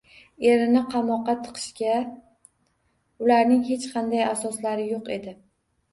Erini qamoqqa tiqishga ularning hech qanday asoslari yo`q edi